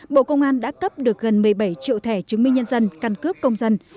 bộ công an đã cấp được gần một mươi bảy triệu thẻ chứng minh nhân dân căn cước công dân